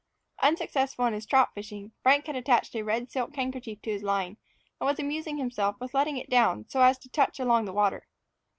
Unsuccessful in his trout fishing, Frank had attached a red silk handkerchief to his line, and was amusing himself with letting it down so as to touch along the water.